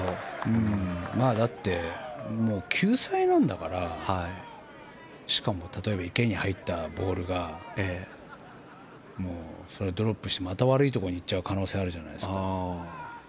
だって、救済なんだからしかも例えば池に入ったボールがドロップして、また悪いところに行っちゃう可能性があるじゃないですか。